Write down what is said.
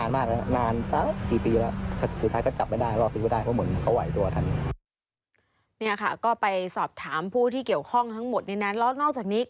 อันนี้เรื่องนี้มันนานมาก